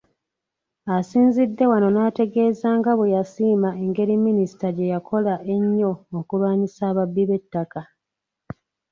Asinzidde wano n’ategeeza nga bwe yasiima engeri Minisita gye yakola ennyo okulwanyisa ababbi b’ettaka